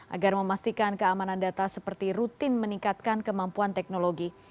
agar memastikan keamanan data seperti rutin meningkatkan kemampuan teknologi